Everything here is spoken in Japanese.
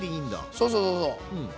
そうそうそうそう。